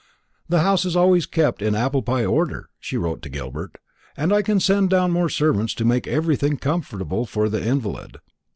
"The house is always kept in apple pie order," she wrote to Gilbert; "and I can send down more servants to make everything comfortable for the invalid."